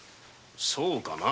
そうかな。